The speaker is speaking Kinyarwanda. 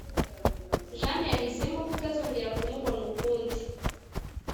Jane yahisemo kutazongera kumubona ukundi